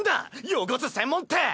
⁉汚す専門って！